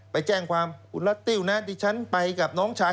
ไปแจ้งความคุณรัตติ้วนะที่ฉันไปกับน้องชาย